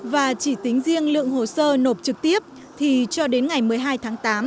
và chỉ tính riêng lượng hồ sơ nộp trực tiếp thì cho đến ngày một mươi hai tháng tám